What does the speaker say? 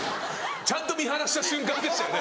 ちゃんと見放した瞬間でしたよね